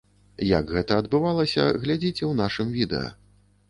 Як гэта адбывалася, глядзіце ў нашым відэа.